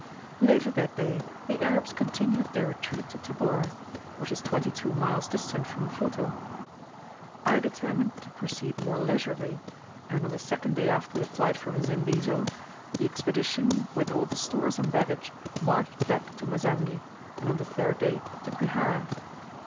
Later that day the Arabs continued their retreat to Tabora; which is twenty two miles distant from Mfuto. I determined to proceed more leisurely, and on the second day after the flight from Zimbizo, the Expedition, with all the stores and baggage, marched back to Masangi, and on the third day to Kwihara.